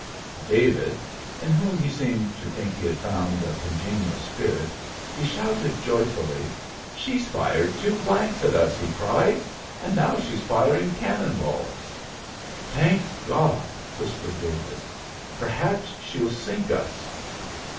To David, in whom he seemed to think he had found a congenial spirit, he shouted joyfully, "She's fired two blanks at us!" he cried; "now she's firing cannon balls!" "Thank God," whispered David; "perhaps she'll sink us!"